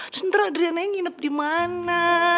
senderah adriana yang nginep dimana